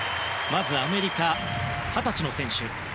アメリカ、二十歳の選手。